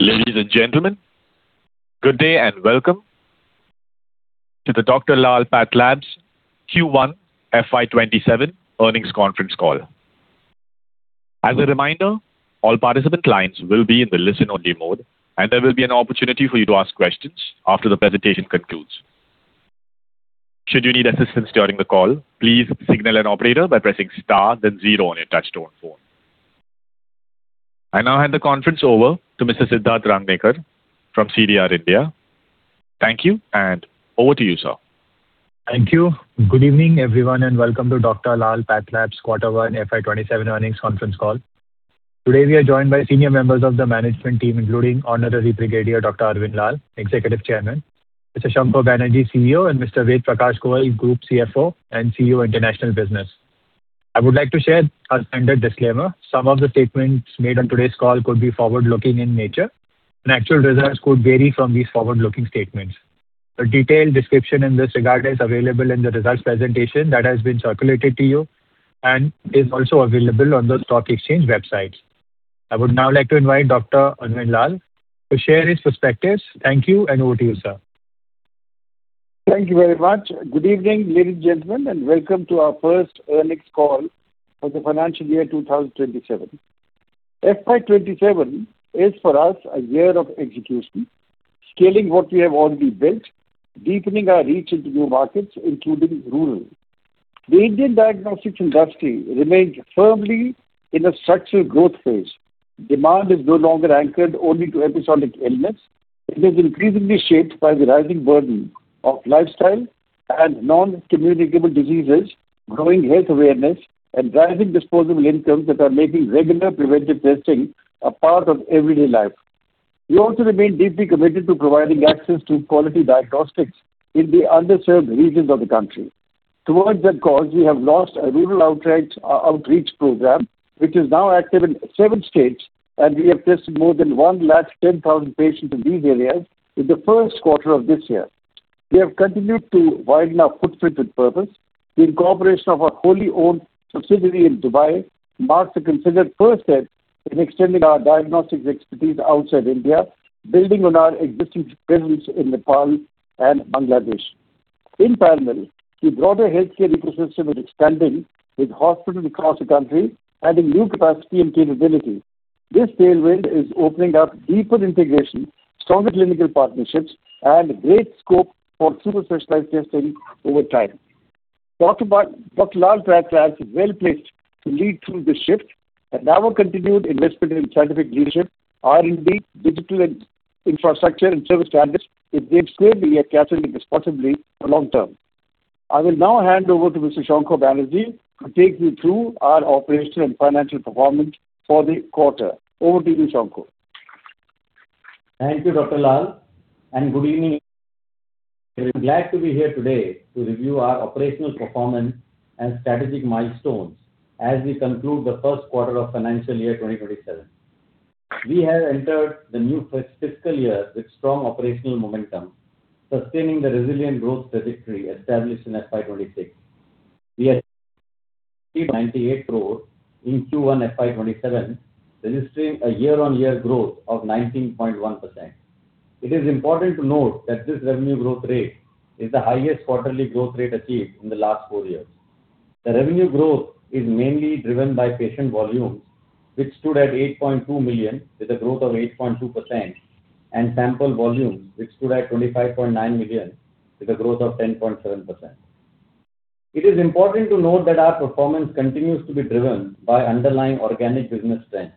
Ladies and gentlemen, good day and welcome to the Dr. Lal PathLabs Q1 FY27 earnings conference call. As a reminder, all participant lines will be in the listen-only mode, there will be an opportunity for you to ask questions after the presentation concludes. Should you need assistance during the call, please signal an operator by pressing star then zero on your touch-tone phone. I now hand the conference over to Mr. Siddharth Rangnekar from CDR India. Thank you. Over to you, sir. Thank you. Good evening, everyone. Welcome to Dr. Lal PathLabs quarter one FY 2027 earnings conference call. Today, we are joined by senior members of the management team, including Honorary Brigadier Dr. Arvind Lal, Executive Chairman, Mr. Shankha Banerjee, CEO, and Mr. Ved Prakash Goel, Group CFO and CEO International Business. I would like to share our standard disclaimer. Some of the statements made on today's call could be forward-looking in nature, actual results could vary from these forward-looking statements. A detailed description in this regard is available in the results presentation that has been circulated to you and is also available on the stock exchange website. I would now like to invite Dr. Arvind Lal to share his perspectives. Thank you. Over to you, sir. Thank you very much. Good evening, ladies and gentlemen. Welcome to our first earnings call for the financial year 2027. FY 2027 is for us a year of execution, scaling what we have already built, deepening our reach into new markets, including rural. The Indian diagnostics industry remains firmly in a structural growth phase. Demand is no longer anchored only to episodic illness. It is increasingly shaped by the rising burden of lifestyle and non-communicable diseases, growing health awareness, and driving disposable incomes that are making regular preventive testing a part of everyday life. We also remain deeply committed to providing access to quality diagnostics in the underserved regions of the country. Towards that cause, we have launched a rural outreach program which is now active in seven states, we have tested more than 110,000 patients in these areas in the first quarter of this year. We have continued to widen our footprint with purpose. The incorporation of our wholly owned subsidiary in Dubai marks a considered first step in extending our diagnostics expertise outside India, building on our existing presence in Nepal and Bangladesh. In parallel, the broader healthcare ecosystem is expanding, with hospitals across the country adding new capacity and capability. This tailwind is opening up deeper integration, stronger clinical partnerships, great scope for super specialized testing over time. Dr. Lal PathLabs is well placed to lead through this shift, our continued investment in scientific leadership, R&D, digital infrastructure, and service standards, it gives clearly a catalytic responsibility for long term. I will now hand over to Mr. Shankha Banerjee to take you through our operational and financial performance for the quarter. Over to you, Shankha. Thank you, Dr. Lal, and good evening. We are glad to be here today to review our operational performance and strategic milestones as we conclude the first quarter of financial year 2027. We have entered the new fiscal year with strong operational momentum, sustaining the resilient growth trajectory established in FY 2026. We are at 98 crore in Q1 FY 2027, registering a year-on-year growth of 19.1%. It is important to note that this revenue growth rate is the highest quarterly growth rate achieved in the last four years. The revenue growth is mainly driven by patient volumes, which stood at 8.2 million, with a growth of 8.2%, and sample volumes, which stood at 25.9 million, with a growth of 10.7%. It is important to note that our performance continues to be driven by underlying organic business trends.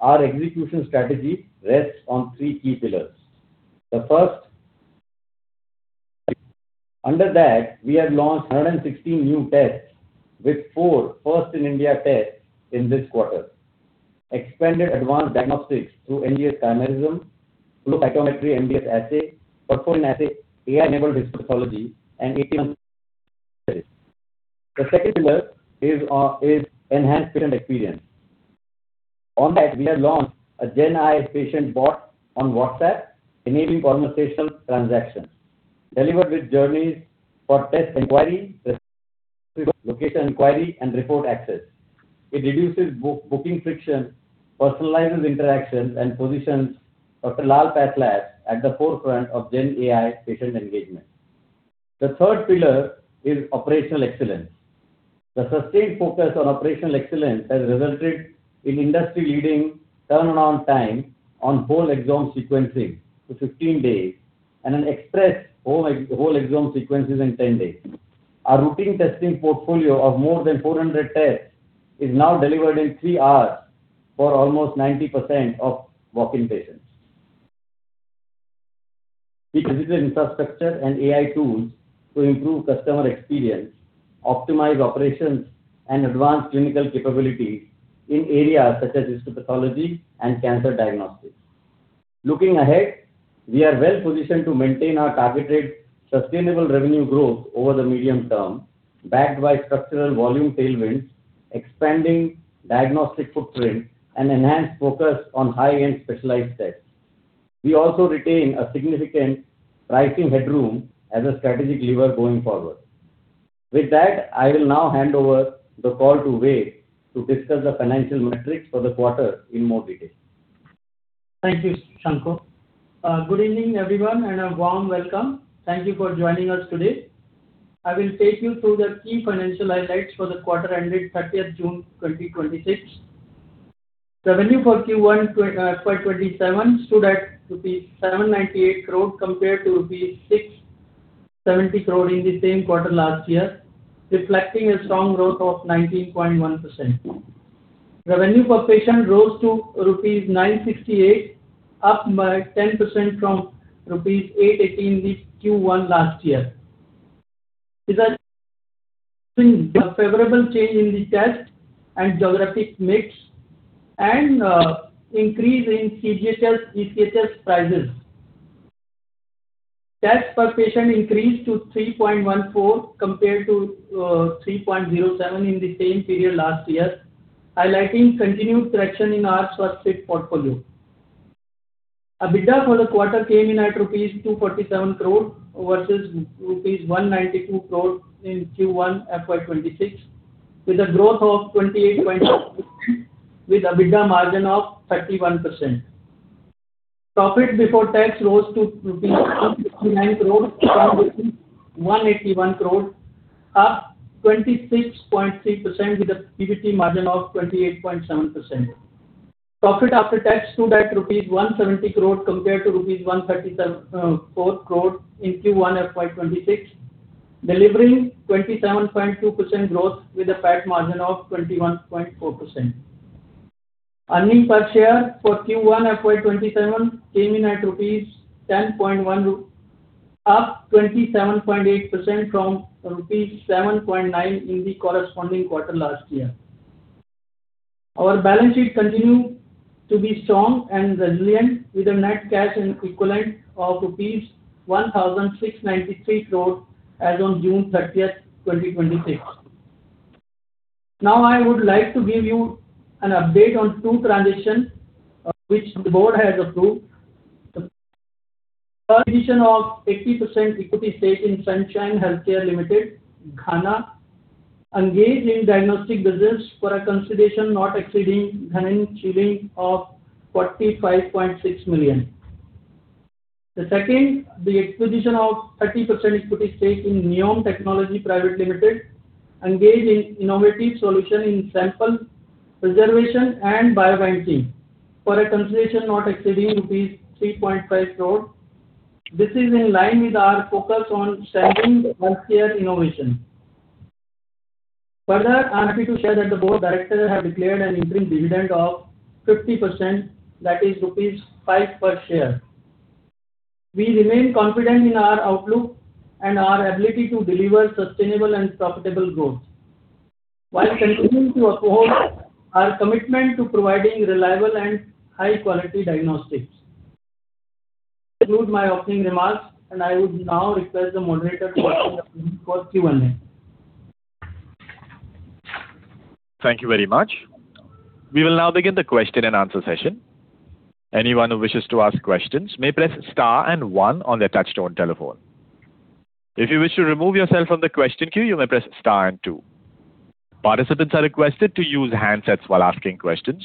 Our execution strategy rests on three key pillars. The first, under that, we have launched 116 new tests with four first-in-India tests in this quarter. Expanded advanced diagnostics through NGS chimerism, flow cytometry MDS assay, PERFORM assay AI-enabled histopathology. The second pillar is enhanced patient experience. On that, we have launched a GenAI patient bot on WhatsApp, enabling conversational transactions delivered with journeys for test inquiry, location inquiry, and report access. It reduces booking friction, personalizes interactions, and positions Dr. Lal PathLabs at the forefront of GenAI patient engagement. The third pillar is operational excellence. The sustained focus on operational excellence has resulted in industry-leading turn-around time on whole-exome sequencing to 15 days and an express whole-exome sequences in 10 days. Our routine testing portfolio of more than 400 tests is now delivered in three hours for almost 90% of walk-in patients. We visit infrastructure and AI tools to improve customer experience, optimize operations, and advance clinical capabilities in areas such as histopathology and cancer diagnostics. Looking ahead, we are well positioned to maintain our targeted sustainable revenue growth over the medium term, backed by structural volume tailwinds, expanding diagnostic footprint, and enhanced focus on high-end specialized tests. We also retain a significant pricing headroom as a strategic lever going forward. With that, I will now hand over the call to Ved to discuss the financial metrics for the quarter in more detail. Thank you, Shankha. Good evening, everyone, and a warm welcome. Thank you for joining us today. I will take you through the key financial highlights for the quarter ending 30th June 2026. Revenue for Q1 FY 2027 stood at rupees 798 crore compared to rupees 670 crore in the same quarter last year, reflecting a strong growth of 19.1%. Revenue per patient rose to rupees 968, up by 10% from rupees 818 in the Q1 last year. These are favorable change in the test and geographic mix and increase in CGHS, ECHS prices. Test per patient increased to 3.14, compared to 3.07 in the same period last year, highlighting continued traction in our Swasthfit portfolio. EBITDA for the quarter came in at rupees 247 crore versus rupees 192 crore in Q1 FY 2026, with a growth of 28.6%, with EBITDA margin of 31%. Profit before tax rose to rupees 169 crore from 181 crore, up 26.3%, with a PBT margin of 28.7%. Profit after tax stood at rupees 170 crore compared to rupees 134 crore in Q1 FY 2026, delivering 27.2% growth with a PAT margin of 21.4%. Earnings per share for Q1 FY 2027 came in at rupees 10.1, up 27.8% from rupees 7.9 in the corresponding quarter last year. Our balance sheet continued to be strong and resilient with a net cash and equivalent of INR 1,693 crore as on June 30th, 2026. Now I would like to give you an update on two transitions which the board has approved. First, acquisition of 80% equity stake in Sunshine Healthcare Limited, Ghana, engaged in diagnostic business for a consideration not exceeding Ghanaian Cedi of GHS 45.6 million. The second, the acquisition of 30% equity stake in Neuome Technologies Private Limited, engaged in innovative solution in sample preservation and biobanking, for a consideration not exceeding rupees 3.5 crore. This is in line with our focus on strengthening healthcare innovation. Further, I am happy to share that the board of directors have declared an interim dividend of 50%, that is rupees 5 per share. We remain confident in our outlook and our ability to deliver sustainable and profitable growth while continuing to uphold our commitment to providing reliable and high-quality diagnostics. I conclude my opening remarks. I would now request the moderator to open the line for Q and A. Thank you very much. We will now begin the question-and-answer session. Anyone who wishes to ask questions may press star and one on their touch-tone telephone. If you wish to remove yourself from the question queue, you may press star and two. Participants are requested to use handsets while asking questions.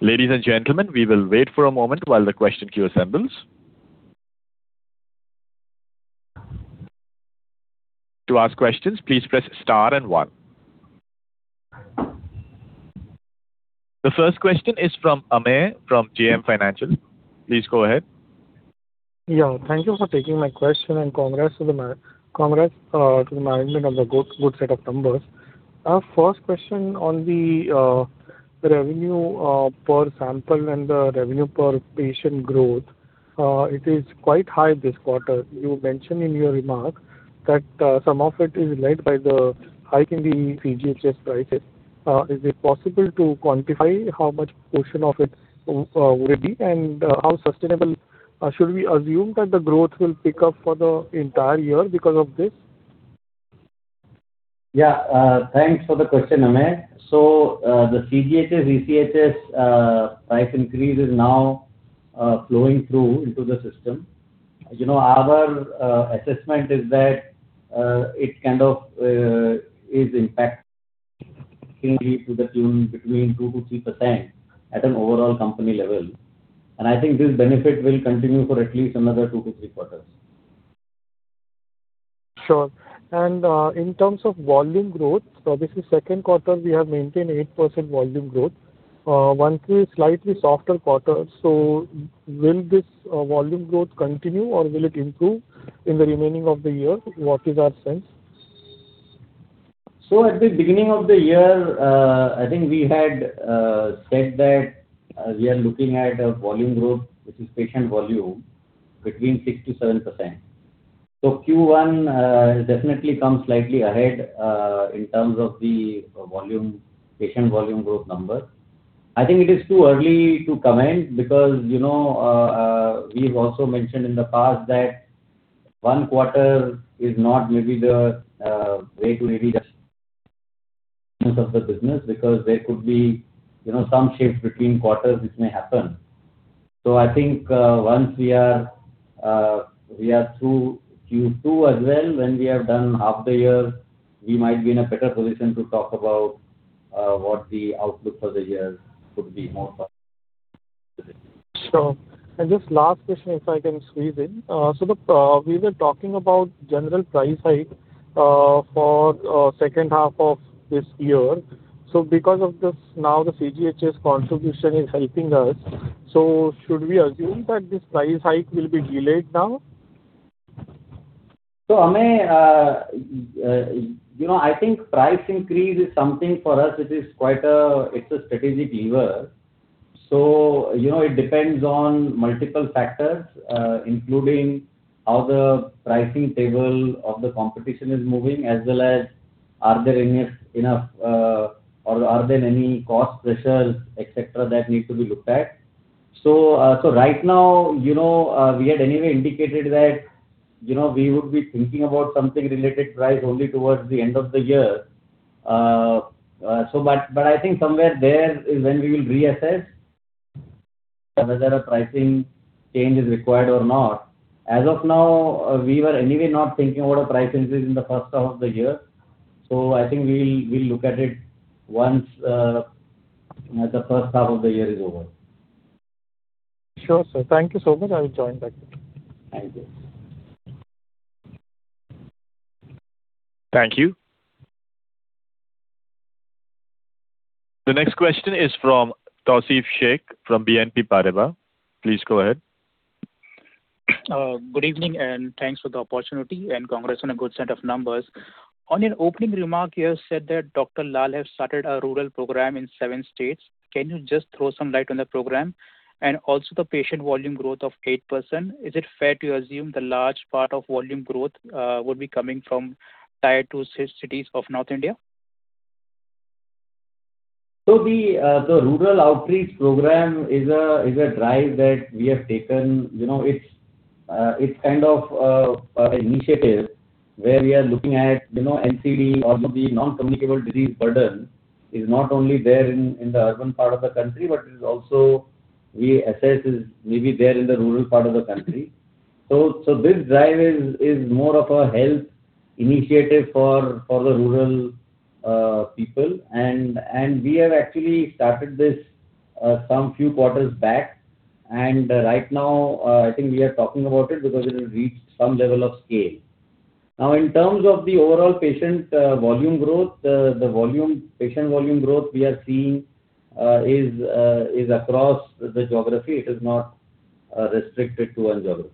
Ladies and gentlemen, we will wait for a moment while the question queue assembles. To ask questions, please press star and one. The first question is from Amey from GM Financial. Please go ahead. Thank you for taking my question. Congrats to the management on the good set of numbers. Our first question on the revenue per sample and the revenue per patient growth. It is quite high this quarter. You mentioned in your remarks that some of it is led by the hike in the CGHS prices. Is it possible to quantify how much portion of it would it be, and how sustainable? Should we assume that the growth will pick up for the entire year because of this? Yeah. Thanks for the question, Amey. The CGHS, ECHS price increase is now flowing through into the system. Our assessment is that it kind of is impacting to the tune between 2%-3% at an overall company level. I think this benefit will continue for at least another two to three quarters. Sure. In terms of volume growth, this is second quarter we have maintained 8% volume growth. Q1 is slightly softer quarter, will this volume growth continue or will it improve in the remaining of the year? What is our sense? At the beginning of the year, I think we had said that we are looking at a volume growth, which is patient volume, between 6%-7%. Q1 has definitely come slightly ahead in terms of the patient volume growth number. I think it is too early to comment because we've also mentioned in the past that one quarter is not maybe the way to really judge of the business because there could be some shifts between quarters which may happen. I think once we are through Q2 as well, when we have done half the year, we might be in a better position to talk about what the outlook for the year could be more Sure. Just last question, if I can squeeze in. Look, we were talking about general price hike for second half of this year. Because of this, now the CGHS contribution is helping us. Should we assume that this price hike will be delayed now? Amey, I think price increase is something for us which is quite a strategic lever. It depends on multiple factors, including how the pricing table of the competition is moving, as well as are there any cost pressures, et cetera, that need to be looked at. Right now, we had anyway indicated that we would be thinking about something related to price only towards the end of the year. I think somewhere there is when we will reassess whether a pricing change is required or not. As of now, we were anyway not thinking about a price increase in the first half of the year. I think we'll look at it once the first half of the year is over. Sure, sir. Thank you so much. I will join back. Thank you. Thank you. The next question is from Tausif Shaikh from BNP Paribas. Please go ahead. Good evening, thanks for the opportunity, and congrats on a good set of numbers. On your opening remark, you have said that Dr. Lal has started a rural program in seven states. Can you just throw some light on the program? Also the patient volume growth of 8%, is it fair to assume the large part of volume growth will be coming from Tier 2 cities of North India? The rural outreach program is a drive that we have taken. It's kind of initiative where we are looking at NCD or the non-communicable disease burden is not only there in the urban part of the country, but we assess is maybe there in the rural part of the country. This drive is more of a health initiative for the rural people. We have actually started this some few quarters back, and right now I think we are talking about it because it has reached some level of scale. In terms of the overall patient volume growth, the patient volume growth we are seeing is across the geography. It is not restricted to one geography.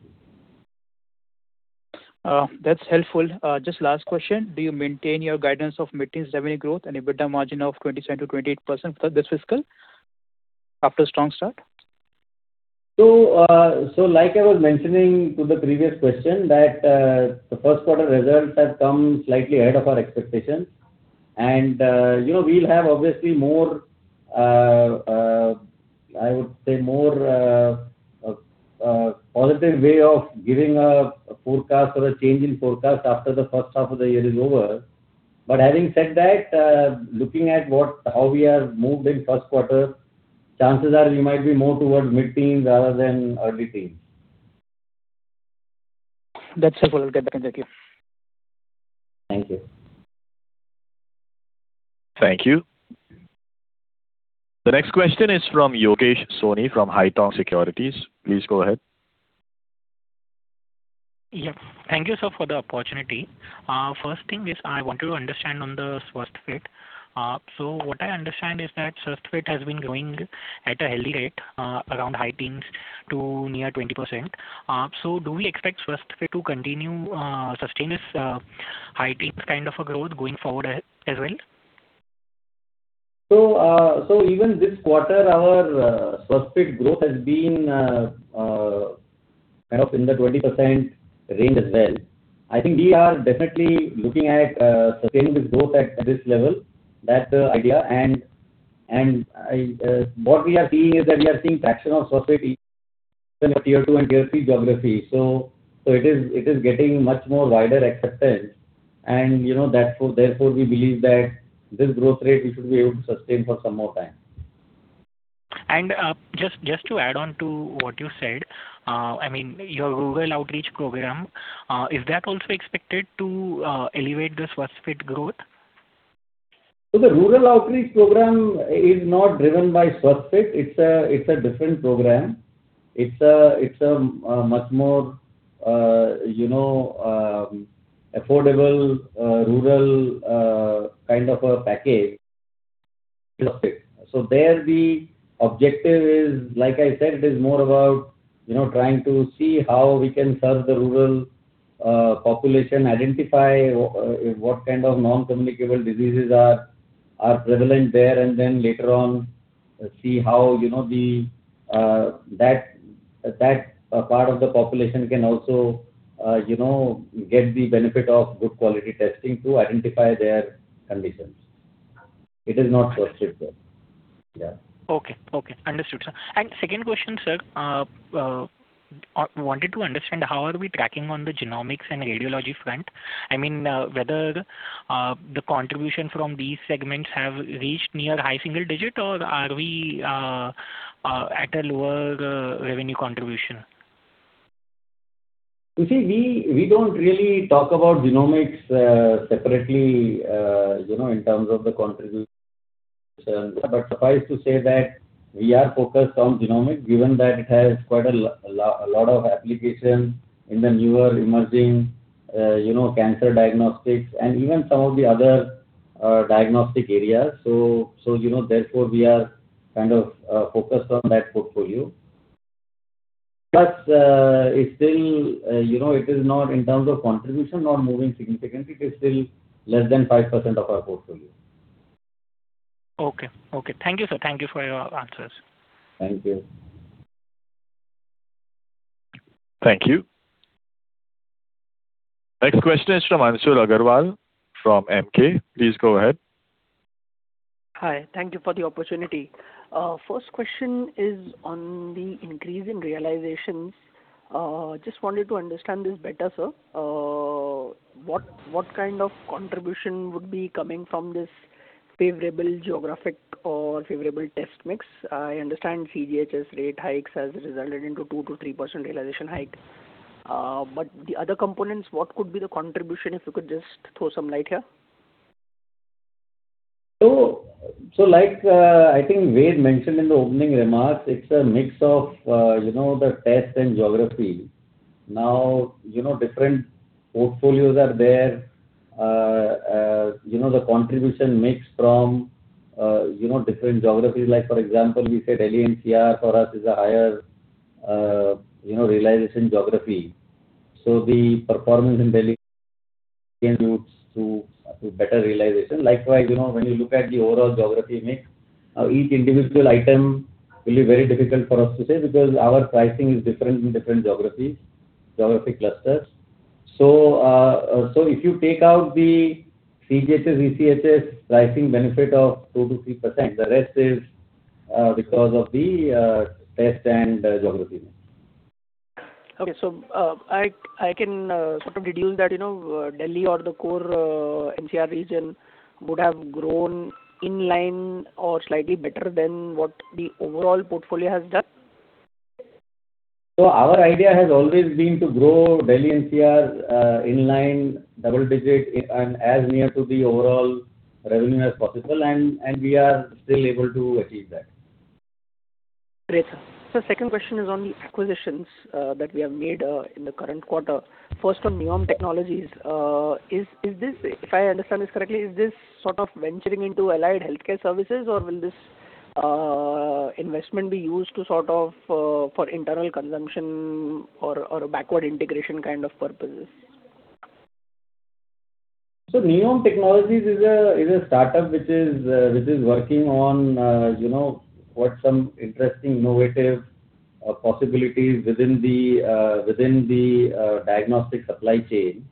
That's helpful. Just last question. Do you maintain your guidance of mid-teen revenue growth and EBITDA margin of 27%-28% for this fiscal after a strong start? Like I was mentioning to the previous question, that the first quarter results have come slightly ahead of our expectations. We'll have obviously, I would say, more positive way of giving a forecast or a change in forecast after the first half of the year is over. Having said that, looking at how we have moved in first quarter, chances are we might be more towards mid-teens rather than early teens. That's helpful. I'll get back. Thank you. Thank you. Thank you. The next question is from Yogesh Soni from Haitong Securities. Please go ahead. Yep. Thank you, sir, for the opportunity. First thing is I want to understand on the Swasthfit. What I understand is that Swasthfit has been growing at a healthy rate around high teens to near 20%. Do we expect Swasthfit to continue sustain this high-teens kind of a growth going forward as well? Even this quarter, our Swasthfit growth has been kind of in the 20% range as well. I think we are definitely looking at sustaining this growth at this level. That's the idea. What we are seeing is that we are seeing traction of Swasthfit even at Tier 2 and Tier 3 geography. It is getting much more wider acceptance and therefore we believe that this growth rate we should be able to sustain for some more time. Just to add on to what you said, your rural outreach program, is that also expected to elevate the Swasthfit growth? The rural outreach program is not driven by Swasthfit. It's a different program. It's a much more affordable rural kind of a package. There the objective is, like I said, is more about trying to see how we can serve the rural population, identify what kind of non-communicable diseases are prevalent there, and then later on see how that part of the population can also get the benefit of good quality testing to identify their conditions. It is not Swasthfit though. Yeah. Okay. Understood, sir. Second question, sir. I wanted to understand how are we tracking on the genomics and radiology front. I mean, whether the contribution from these segments have reached near high single digit or are we at a lower revenue contribution? You see, we don't really talk about genomics separately in terms of the contribution. Suffice to say that we are focused on genomics given that it has quite a lot of application in the newer emerging cancer diagnostics and even some of the other diagnostic areas. Therefore, we are kind of focused on that portfolio. It is not in terms of contribution, not moving significantly. It is still less than 5% of our portfolio. Okay. Thank you, sir, for your answers. Thank you. Thank you. Next question is from Anubhav Agarwal from Emkay. Please go ahead. Hi. Thank you for the opportunity. First question is on the increase in realizations. Just wanted to understand this better, sir. What kind of contribution would be coming from this favorable geographic or favorable test mix? I understand CGHS rate hikes has resulted into 2%-3% realization hike. The other components, what could be the contribution, if you could just throw some light here? Like I think Ved mentioned in the opening remarks, it's a mix of the test and geography. Now, different portfolios are there. The contribution mix from different geographies, like for example, we said Delhi NCR for us is a higher realization geography. The performance in Delhi leads to better realization. Likewise, when you look at the overall geography mix, each individual item will be very difficult for us to say because our pricing is different in different geographies, geographic clusters. If you take out the CGHS, ECHS pricing benefit of 2%-3%, the rest is because of the test and geography mix. Okay. I can sort of deduce that Delhi or the core NCR region would have grown in line or slightly better than what the overall portfolio has done. Our idea has always been to grow Delhi NCR in line double digit and as near to the overall revenue as possible, and we are still able to achieve that. Great, sir. Sir, second question is on the acquisitions that we have made in the current quarter. First on Neuome Technologies. If I understand this correctly, is this sort of venturing into allied healthcare services or will this investment be used to sort of for internal consumption or a backward integration kind of purposes? Neuome Technologies is a startup which is working on what some interesting innovative possibilities within the diagnostic supply chain.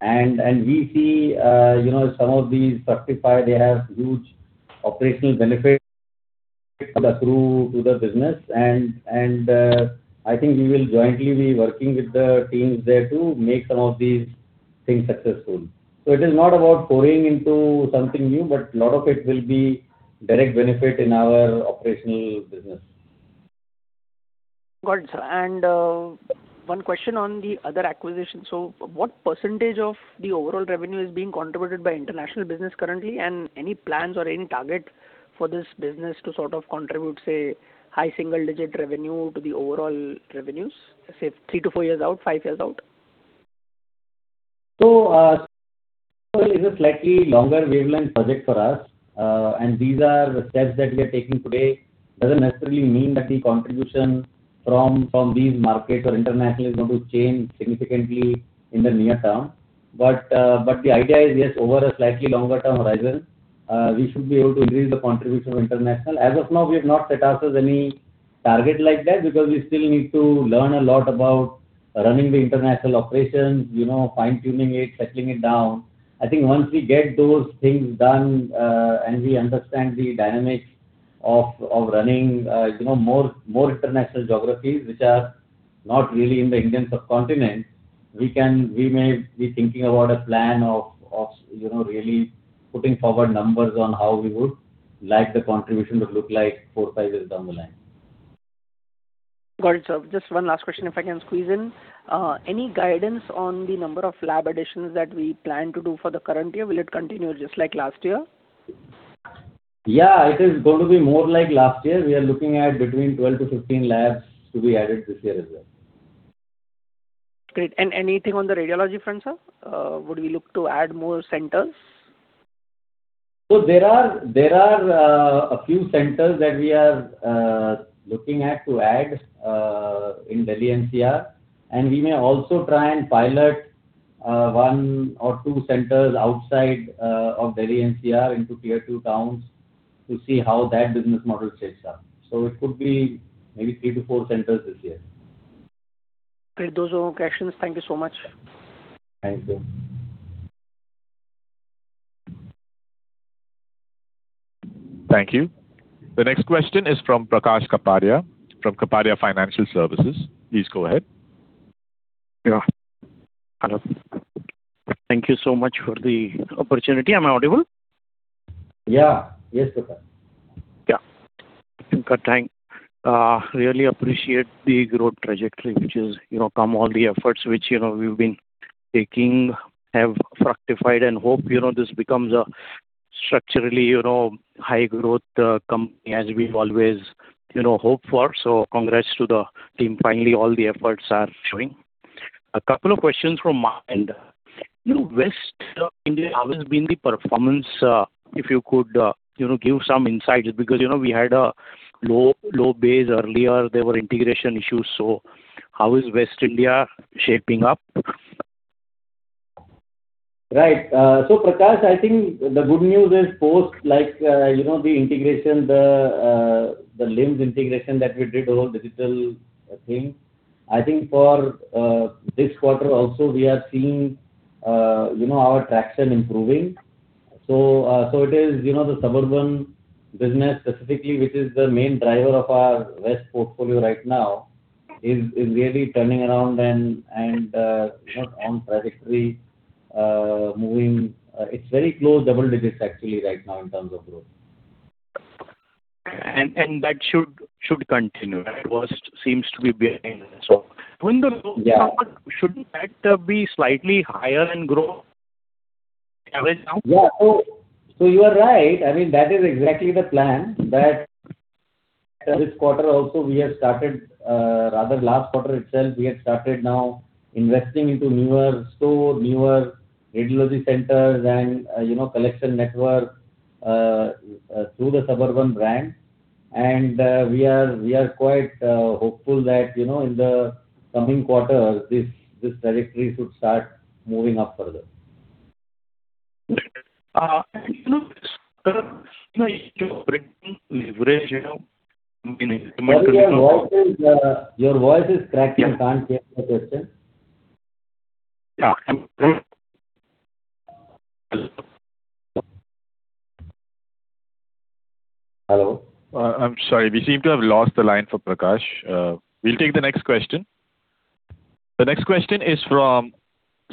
We see some of these justify they have huge operational benefit through to the business and I think we will jointly be working with the teams there to make some of these things successful. It is not about pouring into something new, but lot of it will be direct benefit in our operational business. Got it, sir. One question on the other acquisition. What percentage of the overall revenue is being contributed by international business currently and any plans or any target for this business to sort of contribute, say, high single-digit revenue to the overall revenues, say, three to four years out, five years out? It is a slightly longer wavelength project for us. These are the steps that we are taking today. Doesn't necessarily mean that the contribution from these markets or international is going to change significantly in the near term. The idea is, yes, over a slightly longer-term horizon, we should be able to increase the contribution of international. As of now, we have not set ourselves any target like that because we still need to learn a lot about running the international operations, fine-tuning it, settling it down. I think once we get those things done and we understand the dynamics of running more international geographies which are not really in the Indian subcontinent, we may be thinking about a plan of really putting forward numbers on how we would like the contribution to look like four, five years down the line. Got it, sir. Just one last question, if I can squeeze in. Any guidance on the number of lab additions that we plan to do for the current year? Will it continue just like last year? Yeah, it is going to be more like last year. We are looking at between 12-15 labs to be added this year as well. Anything on the radiology front, sir? Would we look to add more centers? There are a few centers that we are looking at to add in Delhi NCR and we may also try and pilot one or two centers outside of Delhi NCR into Tier 2 towns to see how that business model shapes up. It could be maybe three to four centers this year. Great. Those are all the questions. Thank you so much. Thank you. Thank you. The next question is from Prakash Kapadia from Kapadia Financial Services. Please go ahead. Yeah. Hello. Thank you so much for the opportunity. Am I audible? Yeah. Yes, Prakash. Really appreciate the growth trajectory, which has come from all the efforts which we've been taking have fructified, hope this becomes a structurally high growth company as we've always hoped for. Congrats to the team. Finally, all the efforts are showing. A couple of questions from my end. West India, how has been the performance, if you could give some insights? Because we had a low base earlier. There were integration issues. How is West India shaping up? Right. Prakash, I think the good news is post the integration, the LIMS integration that we did, the whole digital thing. I think for this quarter also, we are seeing our traction improving. It is the Suburban business specifically, which is the main driver of our West portfolio right now, is really turning around and is on trajectory moving. It is very close double digits actually right now in terms of growth. That should continue. Right? What seems to be behind this all. Yeah Shouldn't that be slightly higher in growth average now? Yeah. You are right. That is exactly the plan, that this quarter also we have started, rather last quarter itself, we had started now investing into newer store, newer radiology centers and collection network through the Suburban brand. We are quite hopeful that in the coming quarters this trajectory should start moving up further. Right. [inaudible] Operating leverage Your voice is cracking. Can't hear the question. Yeah. Hello? I'm sorry. We seem to have lost the line for Prakash. We'll take the next question. The next question is from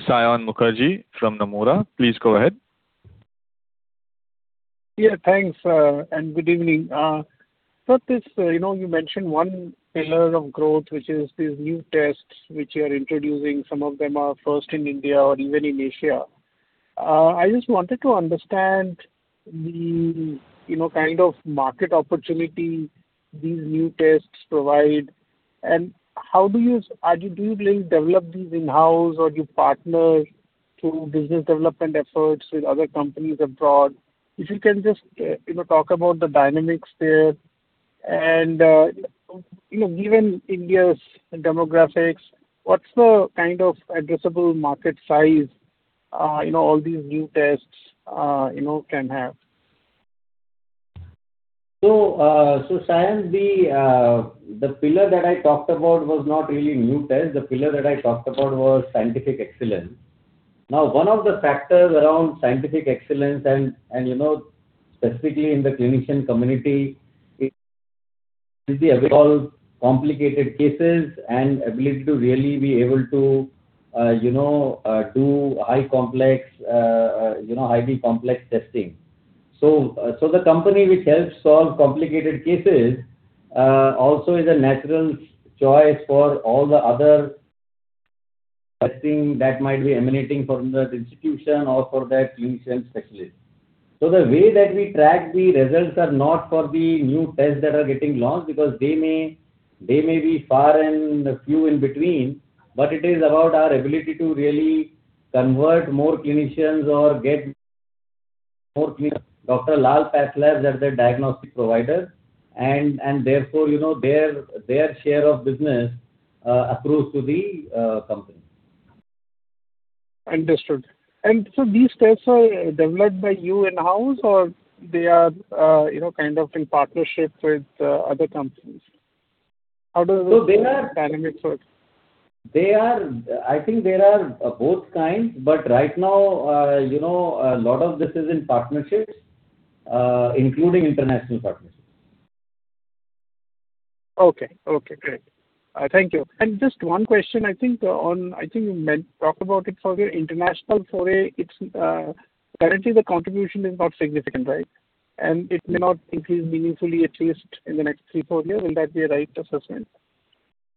Saion Mukherjee from Nomura. Please go ahead. Yeah. Thanks, and good evening. You mentioned one pillar of growth, which is these new tests which you are introducing. Some of them are first in India or even in Asia. I just wanted to understand the kind of market opportunity these new tests provide, and do you develop these in-house or do you partner through business development efforts with other companies abroad? If you can just talk about the dynamics there and given India's demographics, what's the kind of addressable market size all these new tests can have? Saion, the pillar that I talked about was not really new tests. The pillar that I talked about was scientific excellence. One of the factors around scientific excellence and specifically in the clinician community is the ability to solve complicated cases and ability to really be able to do highly complex testing. The company which helps solve complicated cases also is a natural choice for all the other testing that might be emanating from that institution or for that clinician specialist. The way that we track the results are not for the new tests that are getting launched because they may be far and few in between, but it is about our ability to really convert more clinicians or get more clinics. Dr. Lal PathLabs as a diagnostic provider and therefore their share of business accrues to the company. Understood. These tests are developed by you in-house or they are kind of in partnership with other companies? How does the- They are- Dynamic work? I think there are both kinds, but right now a lot of this is in partnerships, including international partnerships. Okay. Great. Thank you. Just one question I think you talk about it further, international foray currently the contribution is not significant, right? It may not increase meaningfully at least in the next three, four years. Will that be a right assessment?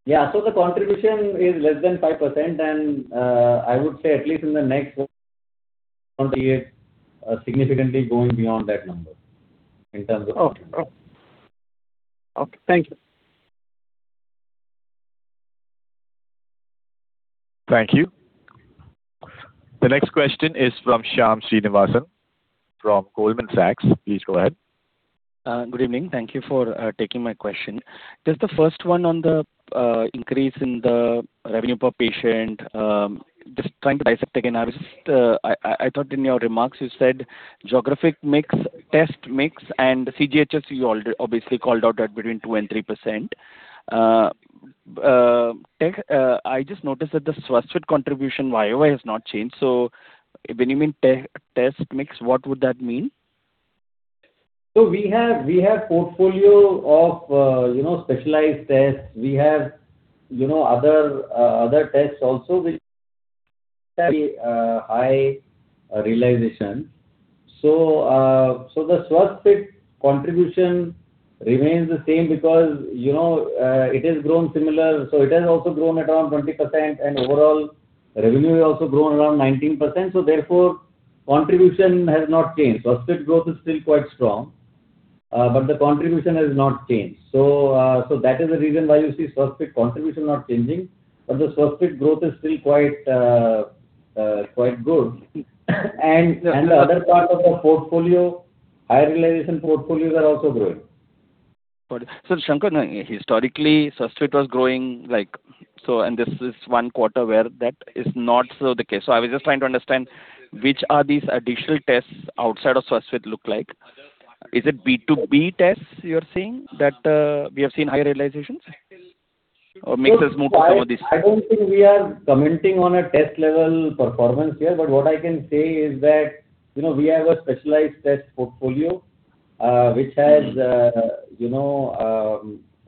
The contribution is less than 5%, I would say at least in the next years significantly going beyond that number. Okay. Thank you. Thank you. The next question is from Shyam Srinivasan from Goldman Sachs. Please go ahead. Good evening. Thank you for taking my question. Just the first one on the increase in the revenue per patient. Just trying to dissect again. I thought in your remarks you said geographic mix, test mix and CGHS you obviously called out at between 2% and 3%. I just noticed that the Swasthfit contribution year-over-year has not changed. When you mean test mix, what would that mean? We have portfolio of specialized tests. We have other tests also which high realization. The Swasthfit contribution remains the same because it has grown similar. It has also grown around 20%, and overall revenue has also grown around 19%. Therefore, contribution has not changed. Swasthfit growth is still quite strong, but the contribution has not changed. That is the reason why you see Swasthfit contribution not changing. But the Swasthfit growth is still quite good. And the other part of our portfolio, higher realization portfolios are also growing. Got it. Shankha, historically, Swasthfit was growing, and this is one quarter where that is not the case. I was just trying to understand, which are these additional tests outside of Swasthfit look like? Is it B2B tests you're saying that we have seen higher realizations? Or makes us move to some of these. I don't think we are commenting on a test level performance here. But what I can say is that, we have a specialized test portfolio which has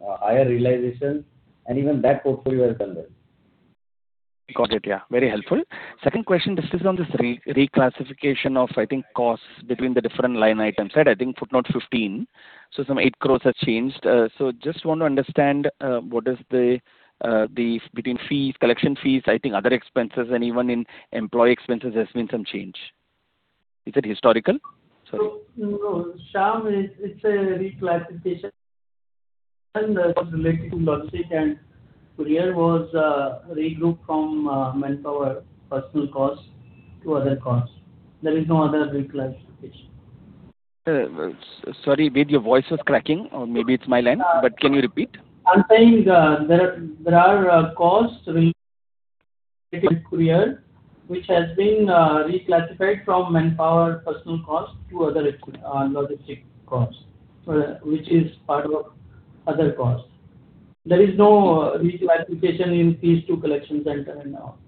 higher realization and even that portfolio has done well. Got it. Very helpful. Second question, this is on this reclassification of costs between the different line items, right? Footnote 15. Some 8 crores has changed. Just want to understand, what is between collection fees, other expenses and even in employee expenses, there's been some change. Is it historical? Sorry. No, Shyam, it's a reclassification related to logistic and courier was regrouped from manpower personal cost to other costs. There is no other reclassification. Sorry, Ved, your voice was cracking, or maybe it's my line, but can you repeat? I'm saying there are costs related courier, which has been reclassified from manpower personal cost to other logistic costs, which is part of other costs. There is no reclassification in fees to collection center and all.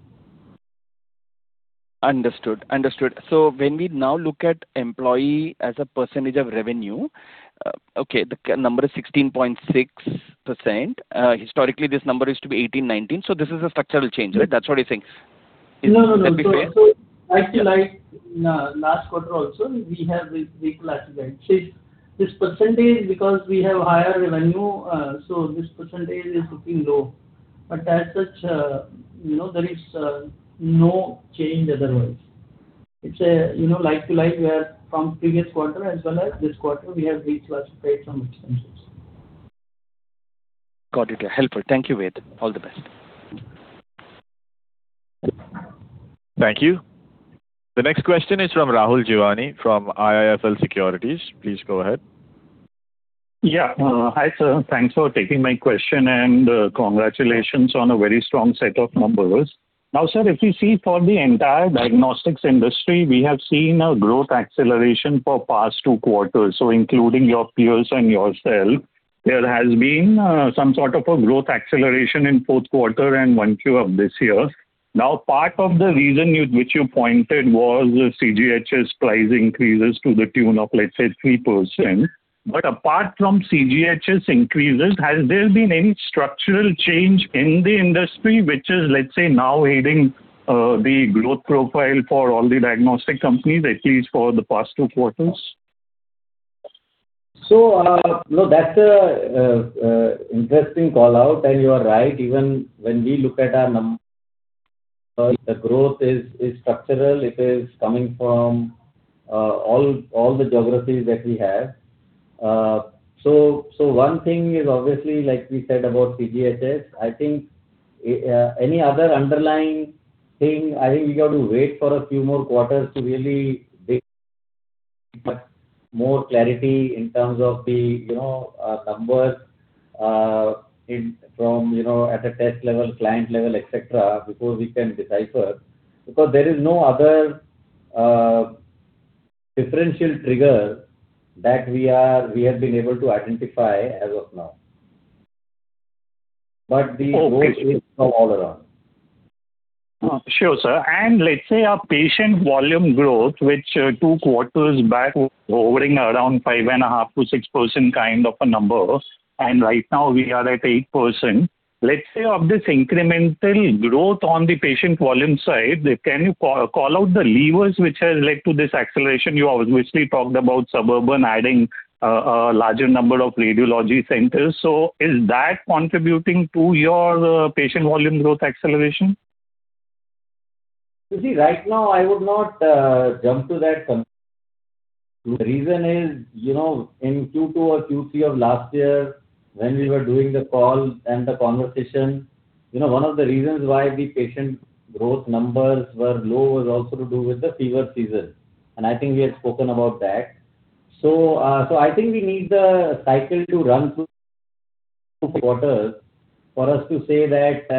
Understood. When we now look at employee as a percentage of revenue, the number is 16.6%. Historically, this number used to be 18%, 19%. This is a structural change, right? That's what he thinks. Is that the case? No. Actually, last quarter also, we have reclassified. This percentage, because we have higher revenue, this percentage is looking low. As such, there is no change otherwise. It's like to like we are from previous quarter as well as this quarter, we have reclassified some expenses. Got it. Helpful. Thank you, Ved. All the best. Thank you. The next question is from Rahul Jeewani of IIFL Securities. Please go ahead. Hi, sir. Thanks for taking my question, and congratulations on a very strong set of numbers. Sir, if you see for the entire diagnostics industry, we have seen a growth acceleration for past two quarters. Including your peers and yourself, there has been some sort of a growth acceleration in fourth quarter and Q1 of this year. Part of the reason which you pointed was the CGHS price increases to the tune of, let's say, 3%. Apart from CGHS increases, has there been any structural change in the industry which is, let's say, now aiding the growth profile for all the diagnostic companies, at least for the past two quarters? That's an interesting call-out, and you are right. Even when we look at our the growth is structural. It is coming from all the geographies that we have. One thing is obviously, like we said about CGHS, I think any other underlying thing, I think we got to wait for a few more quarters to really get much more clarity in terms of the numbers at a test level, client level, et cetera, before we can decipher, because there is no other differential trigger that we have been able to identify as of now. The growth is from all around. Sure, sir. Let's say our patient volume growth, which two quarters back hovering around five and a half to 6% kind of a number, and right now we are at 8%. Let's say of this incremental growth on the patient volume side, can you call out the levers which has led to this acceleration? You obviously talked about Suburban adding a larger number of radiology centers. Is that contributing to your patient volume growth acceleration? Right now I would not jump to that conclusion. The reason is, in Q2 or Q3 of last year when we were doing the call and the conversation, one of the reasons why the patient growth numbers were low was also to do with the fever season. I think we had spoken about that. I think we need the cycle to run through quarters for us to say that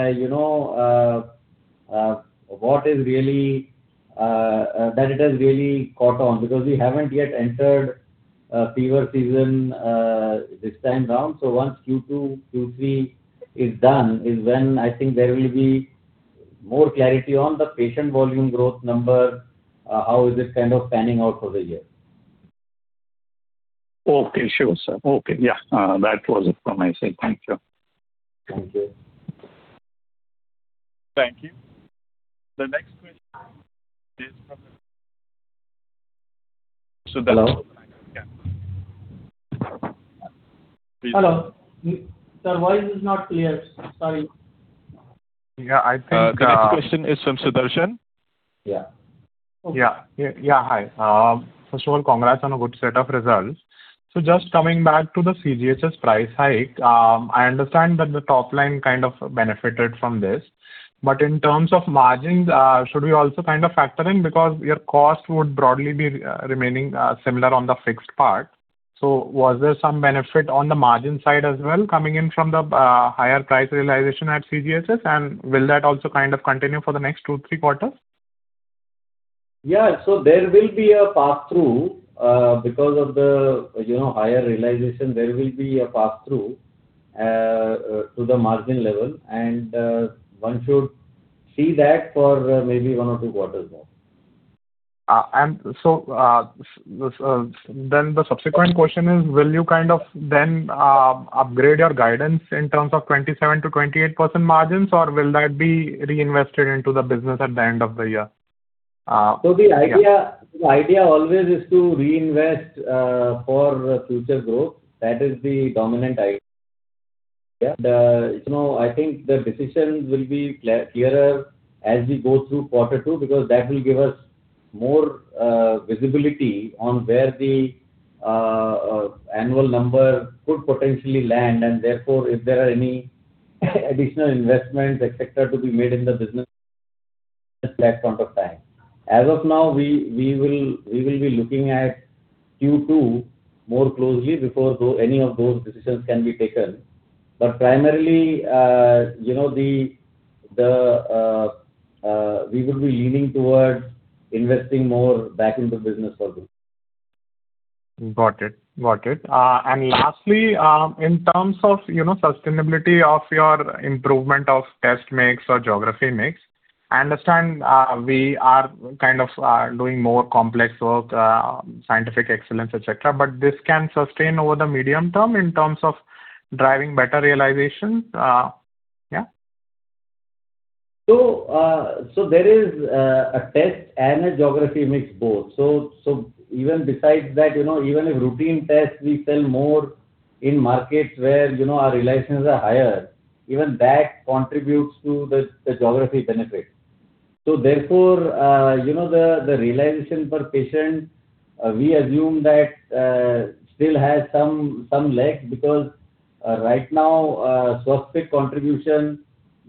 what is really caught on because we haven't yet entered fever season this time around. Once Q2, Q3 is done, is when I think there will be more clarity on the patient volume growth number, how is it panning out over the year. Okay, sure sir. Okay. Yeah. That was it from my side. Thank you. Thank you. Thank you. The next question is from. [inaudible] Hello. Hello. Your voice is not clear, sorry. Yeah, I think the next question is from Axis Capital. Yeah. Yeah. Yeah, hi. First of all, congrats on a good set of results. Just coming back to the CGHS price hike. I understand that the top line kind of benefited from this. In terms of margins, should we also kind of factor in because your cost would broadly be remaining similar on the fixed part. Was there some benefit on the margin side as well coming in from the higher price realization at CGHS, and will that also kind of continue for the next two, three quarters? Yeah. There will be a pass-through because of the higher realization, there will be a pass-through to the margin level, and one should see that for maybe one or two quarters now. The subsequent question is, will you kind of then upgrade your guidance in terms of 27%-28% margins or will that be reinvested into the business at the end of the year? Yeah. The idea always is to reinvest for future growth. That is the dominant idea. The decisions will be clearer as we go through quarter two because that will give us more visibility on where the annual number could potentially land and therefore if there are any additional investments, et cetera, to be made in the business at that point of time. As of now, we will be looking at Q2 more closely before any of those decisions can be taken. Primarily, we will be leaning towards investing more back into business for growth. Got it. Lastly, in terms of sustainability of your improvement of test mix or geography mix. I understand we are kind of doing more complex work, scientific excellence, et cetera, but this can sustain over the medium term in terms of driving better realization? There is a test and a geography mix both. Even besides that, even if routine tests we sell more in markets where our realizations are higher, even that contributes to the geography benefit. Therefore, the realization per patient, we assume that still has some lag because right now Swasthfit contribution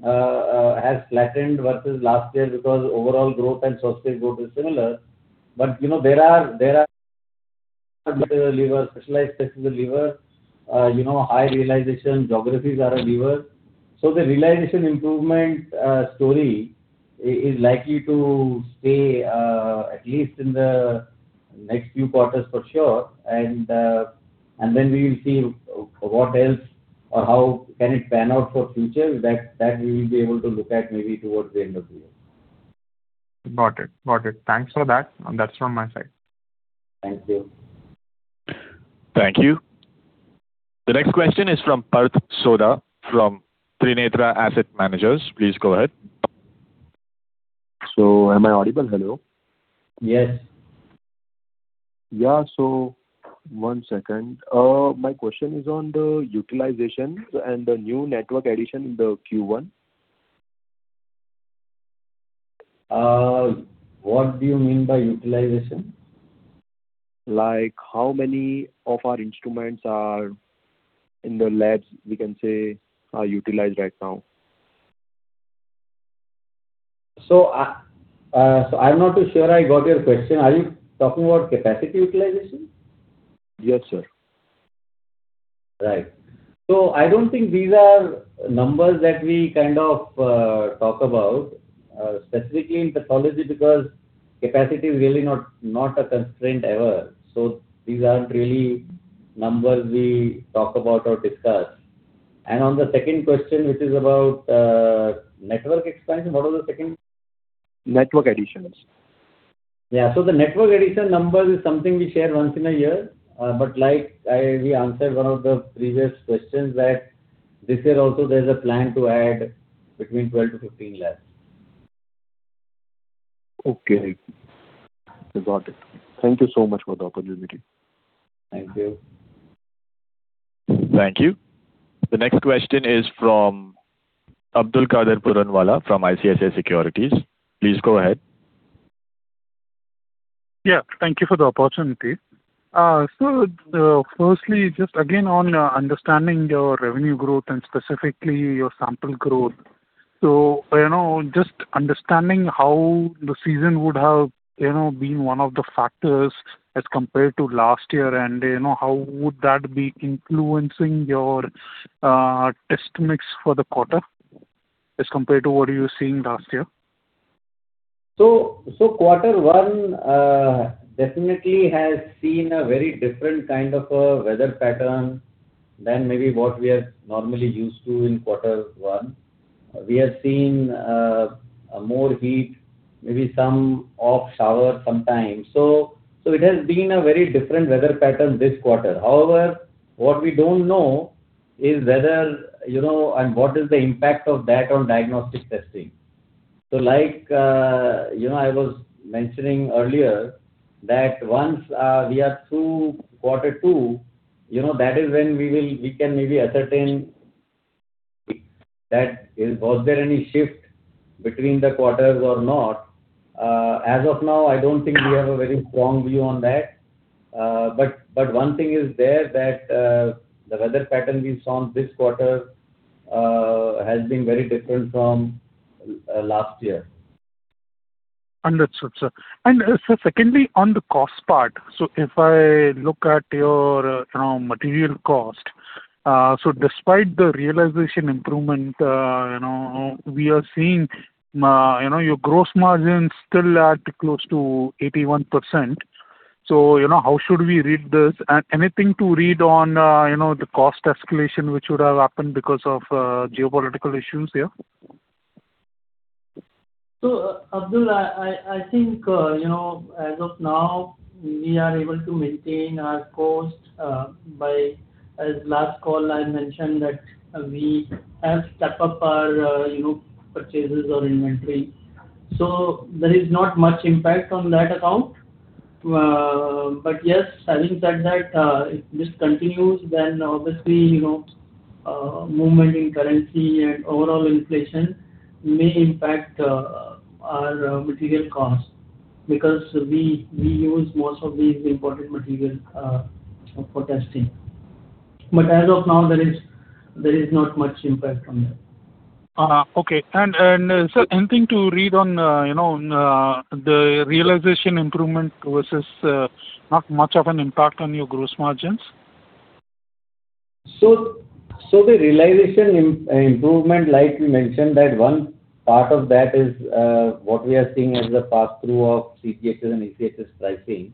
has flattened versus last year because overall growth and Swasthfit growth is similar. There are specialized tests as a lever, high realization geographies are a lever. The realization improvement story is likely to stay at least in the next few quarters for sure and then we will see what else or how can it pan out for future. That we will be able to look at maybe towards the end of the year. Got it. Thanks for that. That's from my side. Thank you. Thank you. The next question is from Parth Sodha from Trinetra Asset Managers. Please go ahead. Am I audible? Hello. Yes. Yeah. One second. My question is on the utilizations and the new network addition in the Q1. What do you mean by utilization? How many of our instruments are in the labs, we can say, are utilized right now? I'm not too sure I got your question. Are you talking about capacity utilization? Yes, sir. Right. I don't think these are numbers that we kind of talk about, specifically in pathology because capacity is really not a constraint ever. These aren't really numbers we talk about or discuss. On the second question, which is about network expansion, what was the second? Network additions. Yeah. The network addition number is something we share once in a year. Like we answered one of the previous questions that this year also there's a plan to add between 12-15 labs. Okay. I got it. Thank you so much for the opportunity. Thank you. Thank you. The next question is from Abdul Puranwala from ICICI Securities. Please go ahead. Yeah, thank you for the opportunity. Firstly, just again on understanding your revenue growth and specifically your sample growth. Just understanding how the season would have been one of the factors as compared to last year and how would that be influencing your test mix for the quarter as compared to what you were seeing last year? Quarter one definitely has seen a very different kind of a weather pattern than maybe what we are normally used to in quarter one. We have seen more heat, maybe some off shower sometimes. It has been a very different weather pattern this quarter. However, what we don't know is whether, you know, and what is the impact of that on diagnostic testing. I was mentioning earlier that once we are through quarter two, that is when we can maybe ascertain that was there any shift between the quarters or not. As of now, I don't think we have a very strong view on that. One thing is there, that the weather pattern we saw this quarter has been very different from last year. Understood, sir. Secondly, on the cost part, if I look at your material cost, despite the realization improvement, we are seeing your gross margin still at close to 81%. How should we read this? Anything to read on the cost escalation, which would have happened because of geopolitical issues here? Abdul, I think, as of now, we are able to maintain our cost by, as last call I mentioned that we have stepped up our purchases or inventory. There is not much impact on that account. Yes, having said that, if this continues, then obviously, movement in currency and overall inflation may impact our material cost because we use most of these imported materials for testing. As of now, there is not much impact on that. Okay. Anything to read on the realization improvement versus not much of an impact on your gross margins? The realization improvement, like we mentioned that one part of that is what we are seeing as the pass-through of CGHS and ECHS pricing.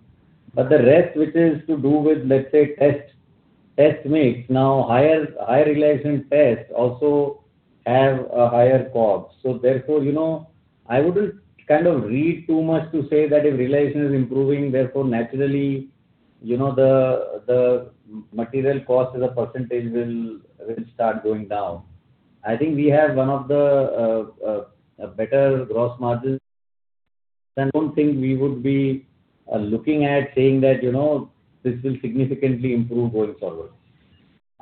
The rest, which is to do with, let's say, test mix. Higher realization tests also have a higher cost. Therefore, I wouldn't read too much to say that if realization is improving, therefore, naturally, the material cost as a percentage will start going down. I think we have one of the better gross margins. I don't think we would be looking at saying that this will significantly improve going forward.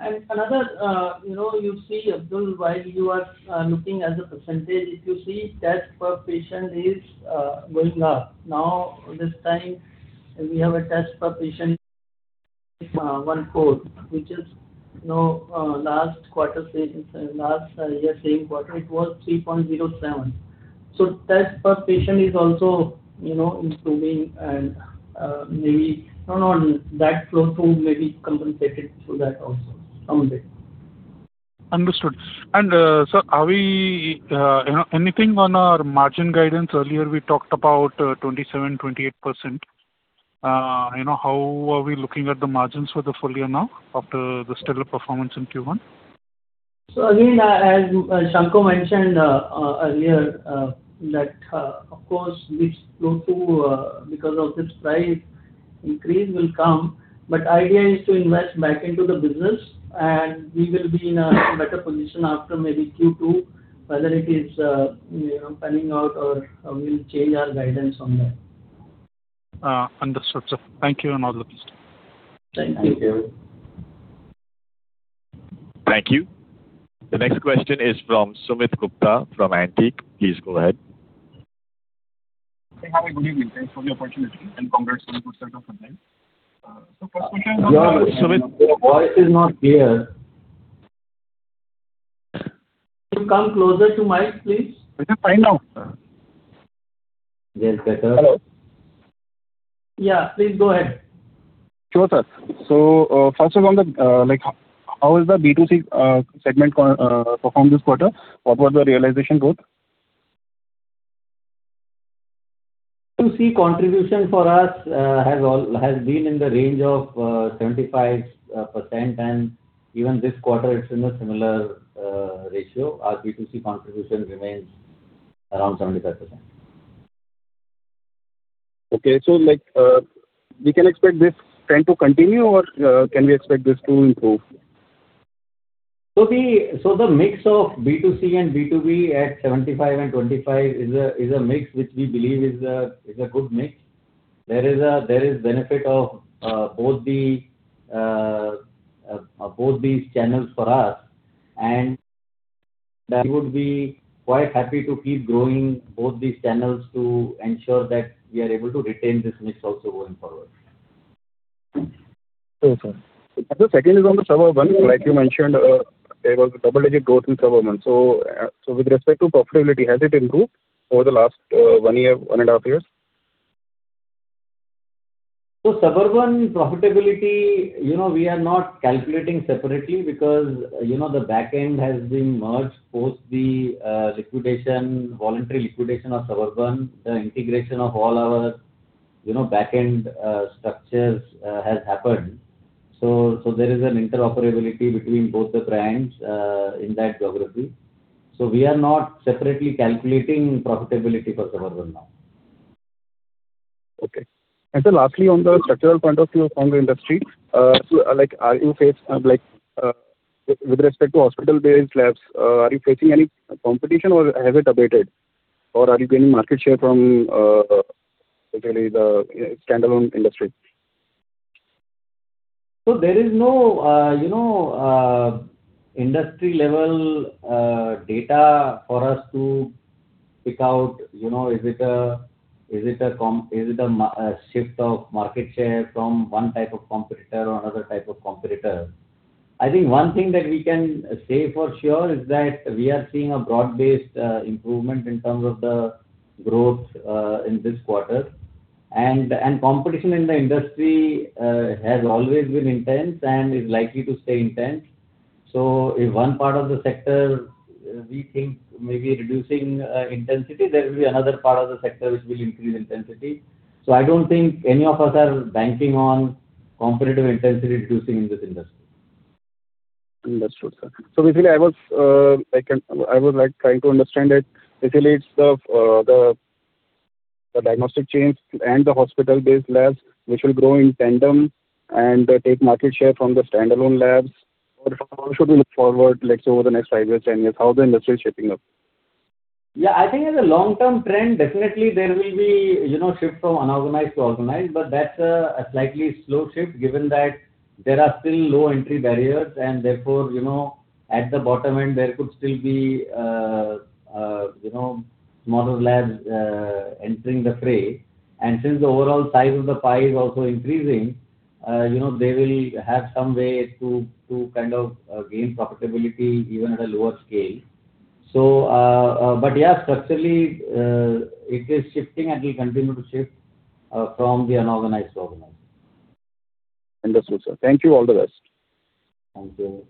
Another, you see, Abdul, while you are looking as a percentage, if you see test per patient is going up. Now, this time, we have a test per patient, 1.4, which is last year same quarter, it was 3.07. Test per patient is also improving and maybe that flow through may be compensated through that also, somewhat. Sir, anything on our margin guidance? Earlier, we talked about 27%, 28%. How are we looking at the margins for the full year now after this stellar performance in Q1? Again, as Shankha mentioned earlier, that of course, this flow through because of this price increase will come, but idea is to invest back into the business, and we will be in a better position after maybe Q2, whether it is panning out or we will change our guidance on that. Understood, sir. Thank you and all the best. Thank you. Thank you. Thank you. The next question is from Sumit Gupta from Antique. Please go ahead. Have a good evening. Thanks for the opportunity and congrats on a good set of results. First question. Sumit, your voice is not clear. Can you come closer to mic, please? Is it fine now, sir? Yes, better. Hello. Yeah, please go ahead. Sure, sir. First is on the, how has the B2C segment performed this quarter? What was the realization growth? B2C contribution for us has been in the range of 75%, and even this quarter, it's in a similar ratio. Our B2C contribution remains around 75%. Okay. We can expect this trend to continue, or can we expect this to improve? The mix of B2C and B2B at 75% and 25% is a mix which we believe is a good mix. There is benefit of both these channels for us, and we would be quite happy to keep growing both these channels to ensure that we are able to retain this mix also going forward. Sure, sir. The second is on the Suburban. Like you mentioned, there was a double-digit growth in Suburban. With respect to profitability, has it improved over the last one and a half years? Suburban profitability, we are not calculating separately because the back end has been merged post the voluntary liquidation of Suburban. The integration of all our back-end structures has happened. There is an interoperability between both the brands in that geography. We are not separately calculating profitability for Suburban now. Okay. Sir, lastly, on the structural point of view from the industry, with respect to hospital-based labs, are you facing any competition or has it abated? Are you gaining market share from the standalone industry? There is no industry-level data for us to pick out is it a shift of market share from one type of competitor or another type of competitor. I think one thing that we can say for sure is that we are seeing a broad-based improvement in terms of the growth in this quarter. Competition in the industry has always been intense and is likely to stay intense. If one part of the sector, we think may be reducing intensity, there will be another part of the sector which will increase intensity. I don't think any of us are banking on competitive intensity reducing in this industry. Understood, sir. Basically, I was trying to understand it. Basically, it's the diagnostic chains and the hospital-based labs which will grow in tandem and take market share from the standalone labs. How should we look forward, let's say over the next five years, 10 years, how is the industry shaping up? Yeah, I think as a long-term trend, definitely there will be shift from unorganized to organized, but that's a slightly slow shift given that there are still low entry barriers and therefore, at the bottom end, there could still be smaller labs entering the fray. Since the overall size of the pie is also increasing, they will have some way to gain profitability even at a lower scale. Yeah, structurally, it is shifting and will continue to shift from the unorganized to organized. Understood, sir. Thank you. All the best. Thank you.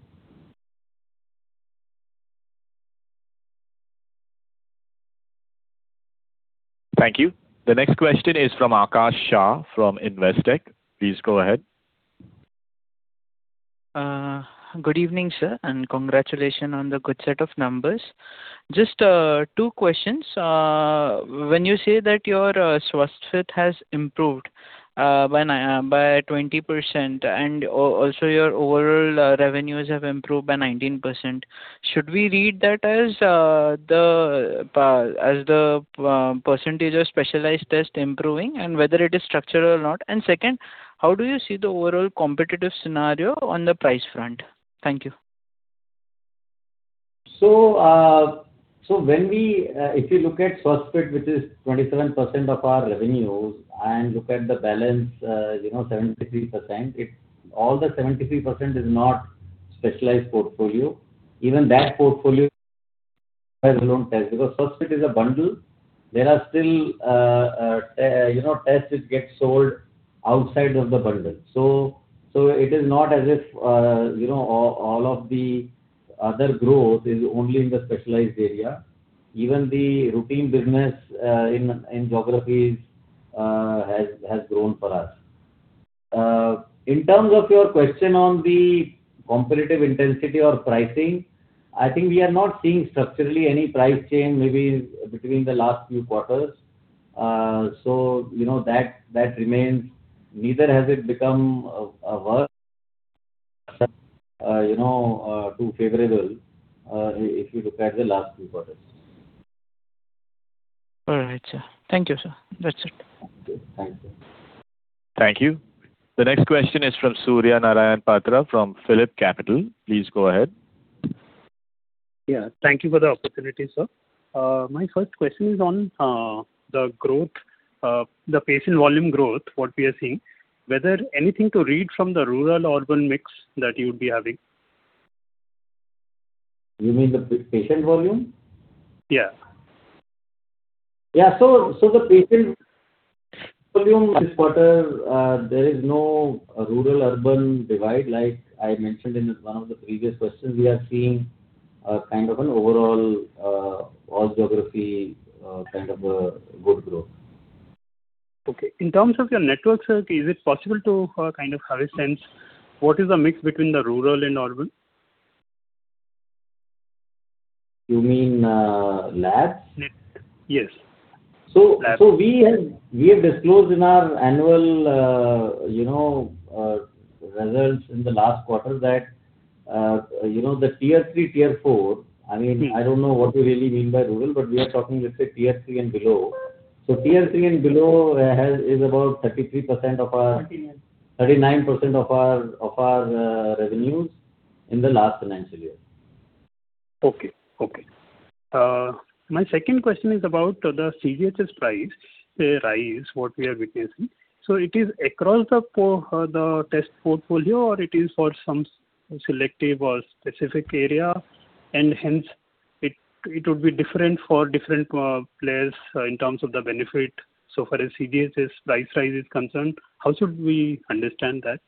Thank you. The next question is from Akash Shah from Investec. Please go ahead. Good evening, sir, and congratulations on the good set of numbers. Just two questions. When you say that your Swasthfit has improved by 20%, and also your overall revenues have improved by 19%, should we read that as the percentage of specialized tests improving and whether it is structured or not? Second, how do you see the overall competitive scenario on the price front? Thank you. If you look at Swasthfit, which is 27% of our revenues, and look at the balance, 73%, all the 73% is not specialized portfolio. Even that portfolio test because Swasthfit is a bundle. There are still tests which get sold outside of the bundle. It is not as if all of the other growth is only in the specialized area. Even the routine business in geographies has grown for us. In terms of your question on the competitive intensity or pricing, I think we are not seeing structurally any price change maybe between the last few quarters. That remains. Neither has it become worse too favorable if you look at the last few quarters. All right, sir. Thank you, sir. That's it. Okay. Thank you. Thank you. The next question is from Surya Narayan Patra from PhillipCapital. Please go ahead. Yeah. Thank you for the opportunity, sir. My first question is on the patient volume growth, what we are seeing, whether anything to read from the rural-urban mix that you'd be having. You mean the patient volume? Yeah. Yeah. the patient volume this quarter, there is no rural-urban divide. Like I mentioned in one of the previous questions, we are seeing a kind of an overall, all geography kind of a good growth. Okay. In terms of your network, sir, is it possible to kind of have a sense what is the mix between the rural and urban? You mean labs? Yes. Labs. We have disclosed in our annual results in the last quarter that the Tier 3, Tier 4, I don't know what you really mean by rural, but we are talking, let's say Tier 3 and below. Tier 3 and below is about 39% of our revenues in the last financial year. My second question is about the CGHS price rise, what we are witnessing. It is across the test portfolio, or it is for some selective or specific area. It would be different for different players in terms of the benefit. For as CGHS's price rise is concerned, how should we understand that?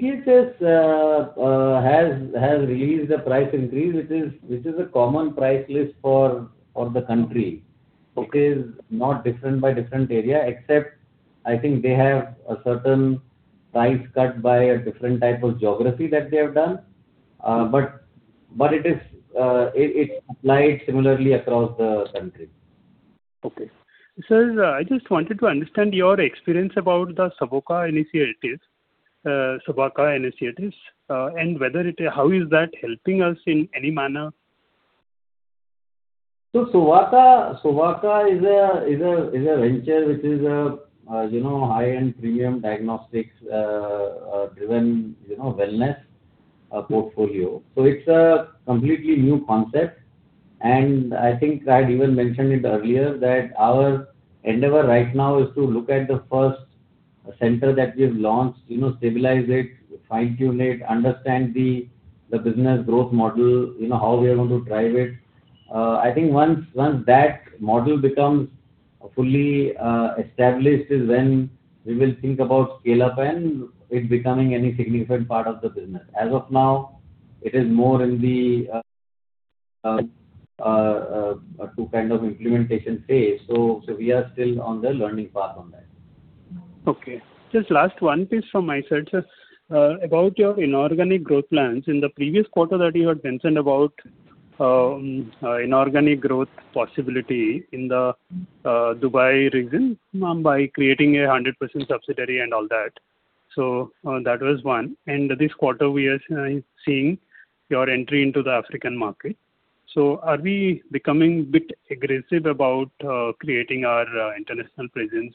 CGHS has released the price increase, which is a common price list for the country. Okay. It is not different by different area, except I think they have a certain price cut by a different type of geography that they have done. It applied similarly across the country. Okay. Sir, I just wanted to understand your experience about the Sovaaka initiatives, and how is that helping us in any manner? Sovaaka is a venture which is a high-end premium diagnostics driven wellness portfolio. It's a completely new concept, and I think I had even mentioned it earlier that our endeavor right now is to look at the first center that we've launched, stabilize it, fine-tune it, understand the business growth model, how we are going to drive it. I think once that model becomes fully established is when we will think about scale-up and it becoming any significant part of the business. As of now, it is more in the two kind of implementation phase. We are still on the learning path on that. Okay. Just last one piece from my side, sir. About your inorganic growth plans. In the previous quarter that you had mentioned about inorganic growth possibility in the Dubai region by creating a 100% subsidiary and all that. That was one. This quarter we are seeing your entry into the African market. Are we becoming a bit aggressive about creating our international presence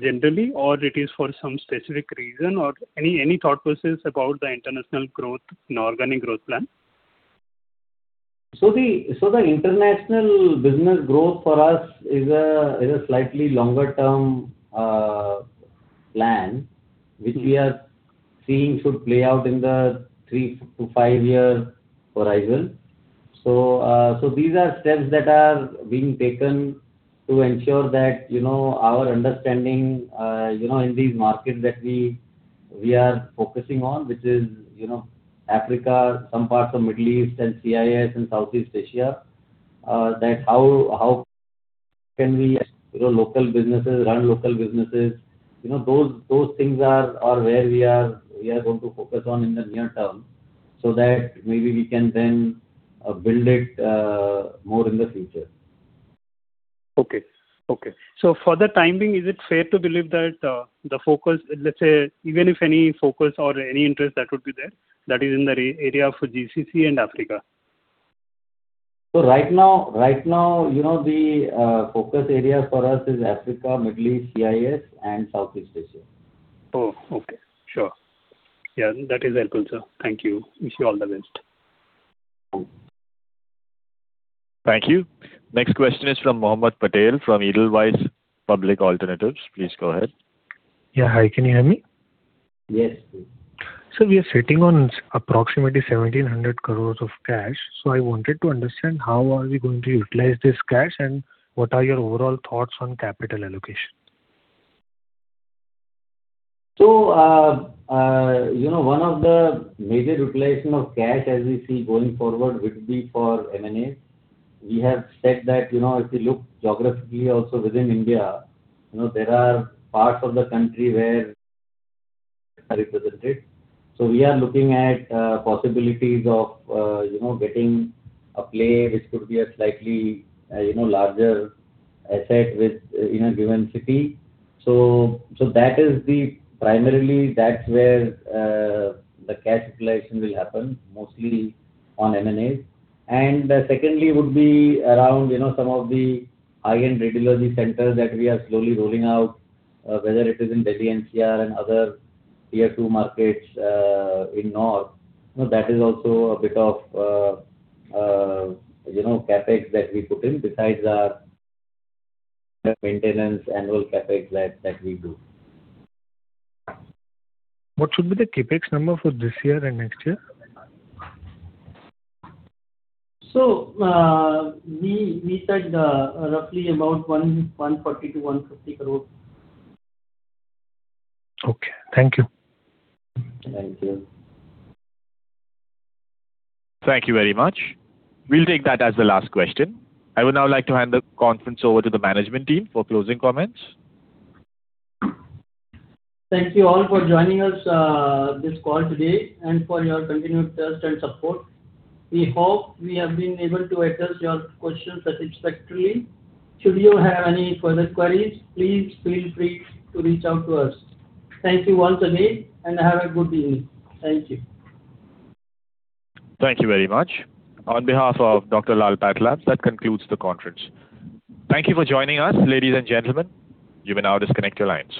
generally, or it is for some specific reason? Any thought process about the international growth, inorganic growth plan? The international business growth for us is a slightly longer-term plan, which we are seeing should play out in the three to five-year horizon. These are steps that are being taken to ensure that our understanding in these markets that we are focusing on, which is Africa, some parts of Middle East and CIS and Southeast Asia. That how can we run local businesses. Those things are where we are going to focus on in the near term, so that maybe we can then build it more in the future. Okay. For the time being, is it fair to believe that the focus, let's say, even if any focus or any interest that would be there, that is in the area of GCC and Africa? Right now, the focus area for us is Africa, Middle East, CIS, and Southeast Asia. Oh, okay. Sure. Yeah, that is helpful, sir. Thank you. Wish you all the best. Thank you. Next question is from Mohammed Patel from Edelweiss Public Alternatives. Please go ahead. Yeah. Hi, can you hear me? Yes, please. Sir, we are sitting on approximately 1,700 crore of cash. I wanted to understand how are we going to utilize this cash, and what are your overall thoughts on capital allocation? One of the major utilization of cash as we see going forward would be for M&A. We have said that if you look geographically also within India, there are parts of the country where are represented. We are looking at possibilities of getting a play, which could be a slightly larger asset within a given city. Primarily, that's where the cash utilization will happen, mostly on M&A. Secondly, would be around some of the high-end radiology centers that we are slowly rolling out, whether it is in Delhi, NCR, and other Tier 2 markets in north. That is also a bit of CapEx that we put in besides our maintenance annual CapEx that we do. What should be the CapEx number for this year and next year? We said roughly about 140-150 crores. Okay. Thank you. Thank you. Thank you very much. We'll take that as the last question. I would now like to hand the conference over to the management team for closing comments. Thank you all for joining us this call today and for your continued trust and support. We hope we have been able to address your questions satisfactorily. Should you have any further queries, please feel free to reach out to us. Thank you once again, and have a good day. Thank you. Thank you very much. On behalf of Dr. Lal PathLabs, that concludes the conference. Thank you for joining us, ladies and gentlemen. You may now disconnect your lines.